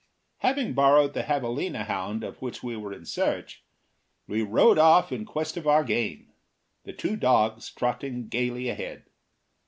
Having borrowed the javalina hound of which we were in search, we rode off in quest of our game, the two dogs trotting gayly ahead.